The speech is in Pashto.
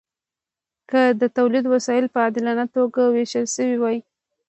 که د تولید وسایل په عادلانه توګه ویشل شوي وای.